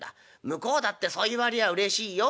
向こうだってそう言われりゃうれしいよ。